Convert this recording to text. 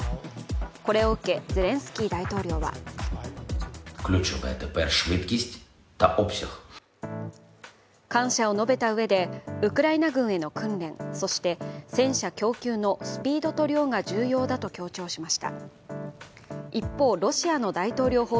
これを受けゼレンスキー大統領は感謝を述べたうえでウクライナ軍への訓練、そして戦車供給のスピードと量が重要だと強調しました。